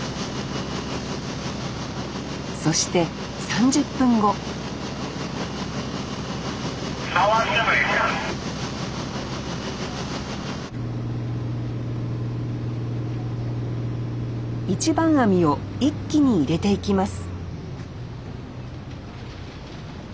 そして３０分後一番網を一気に入れていきます